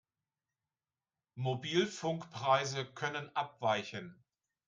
Mobilfunkpreise können abweichen.